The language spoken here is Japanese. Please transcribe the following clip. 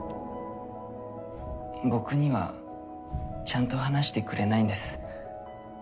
僕にはちゃんと話してくれないんです。